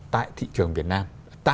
tại thị trường việt nam